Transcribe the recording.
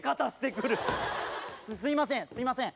すいませんすいません。